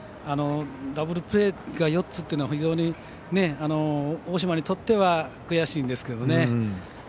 ダブルプレーが４つというのは非常に大島にとっては悔しいんですけどね